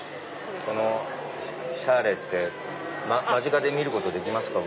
シャーレって間近で見ることできますか？